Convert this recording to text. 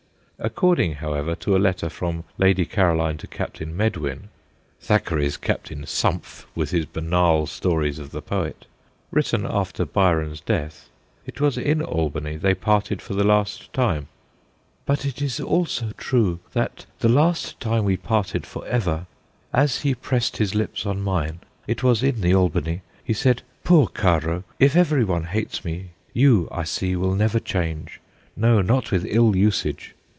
According, however, to a letter from Lady Caroline to Captain Medwin Thackeray's Captain Sumph, with his banal stories of the poet written after Byron's death, it was in Albany they parted for the last time. 'But it is also true, that, the last time we parted for ever, as he pressed his lips on mine (it was in the Albany), he said, " Poor Caro, if every one hates me, you, I see, will never change no, not with ill usage